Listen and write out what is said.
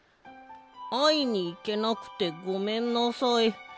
あいにいけなくてごめんなさい。